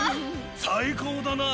最高だな！